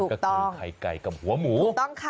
คือไข่ไก่กับหัวหมู